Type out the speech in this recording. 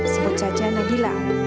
sebut saja nabila